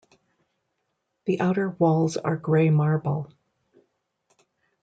The outer walls are grey marble.